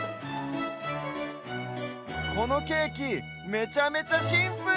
このケーキめちゃめちゃシンプル！